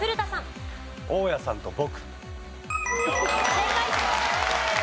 正解！